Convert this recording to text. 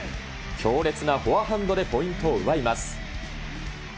強烈なフォアハンドでポイントを奪います。